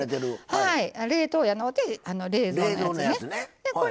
冷凍やのうて冷蔵のやつね。